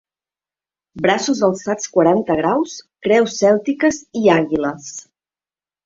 Braços alçats quaranta graus, creus cèltiques i àguiles.